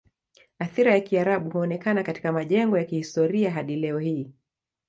Athira ya Kiarabu huonekana katika majengo ya kihistoria hadi leo hii.